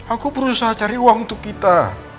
aku berusaha cari uang untuk kita